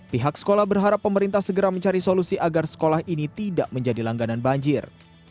pihak sekolah berharap pemerintah segera mencari solusi agar sekolah ini tidak menjadi langganan banjir